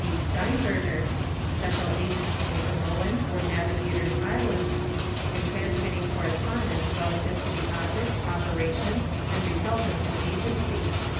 B. Steinberger, special agent to the Samoan or Navigators Islands, and transmitting correspondence relative to the object, operation, and result of his agency.